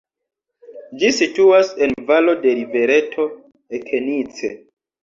Ĝi situas en valo de rivereto Okenice.